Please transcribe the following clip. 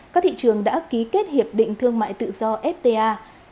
các thị trường đã ký kết hiệp định thương mại tự do fta